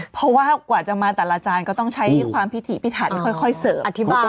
เพราะว่ากว่าจะมาแต่ละกรอสก็ต้องใช้ความพิถิพิถัฐให้ค่อยค่อยเสิร์ฟ